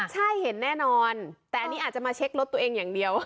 ใช่เห็นแน่นอนแต่อันนี้อาจจะมาเช็ครถตัวเองอย่างเดียว